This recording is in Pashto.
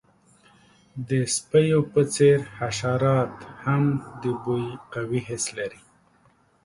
د سپیو په څیر، حشرات هم د بوی قوي حس لري.